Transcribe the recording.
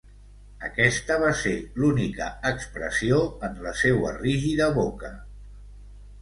Aquesta va ser l'única expressió en la seua rígida boca.